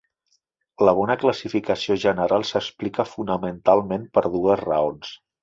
La bona classificació general s'explica fonamentalment per dues raons.